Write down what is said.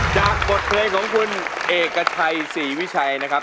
จากบทเพลงของคุณเอกชัยศรีวิชัยนะครับ